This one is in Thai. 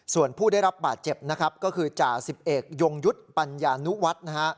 ส่วนผู้ได้รับบาดเจ็บนะครับก็คือจ่าสิบเอกยงยุทธ์ปัญญานุวัฒน์นะฮะ